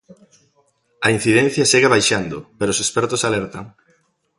A incidencia segue baixando, pero os expertos alertan.